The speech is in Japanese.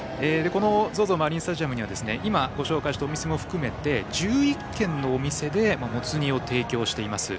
マリンスタジアムには今、ご紹介したお店を含め１１軒のお店でもつ煮を提供しています。